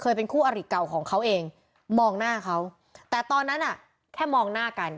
เป็นคู่อริเก่าของเขาเองมองหน้าเขาแต่ตอนนั้นอ่ะแค่มองหน้ากัน